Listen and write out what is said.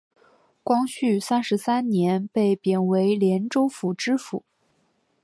光绪三十三年被贬为廉州府知府。